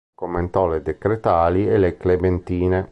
Commentò le "Decretali" e le "Clementine".